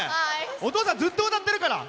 お父さん、ずっと歌ってるから。